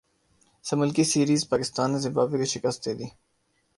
سہ ملکی سیریزپاکستان نے زمبابوے کو شکست دیدی